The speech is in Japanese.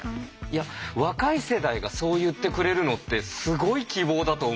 いや若い世代がそう言ってくれるのってすごい希望だと思うのよ。